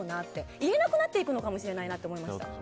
言えなくなっていくのかもしれないなと思いました。